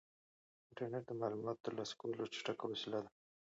انټرنيټ د معلوماتو د ترلاسه کولو چټکه وسیله ده.